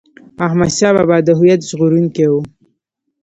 احمد شاه بابا د هویت ژغورونکی و.